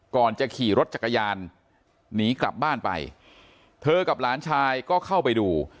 ก่อนจะขี่รถจักรยานหนีกลับบ้านไปเธอกับหลานชายก็เข้าไปดู